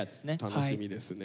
楽しみですね。